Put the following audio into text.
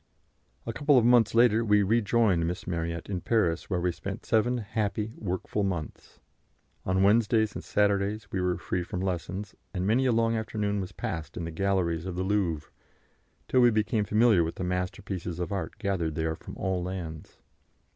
A couple of months later we rejoined Miss Marryat in Paris, where we spent seven happy, workful months. On Wednesdays and Saturdays we were free from lessons, and many a long afternoon was passed in the galleries of the Louvre, till we became familiar with the masterpieces of art gathered there from all lands.